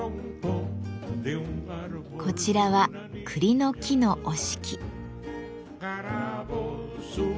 こちらは栗の木の折敷。